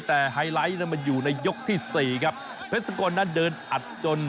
แต่ไฮไลท์นั้นมันอยู่ในยกที่สี่ครับเพชรสกลนั้นเดินอัดจน